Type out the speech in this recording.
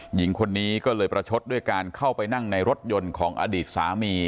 หญิงคนนี้ก็เลยประชดด้วยการเข้าไปนั่งในรถยนต์ของอดีตสามี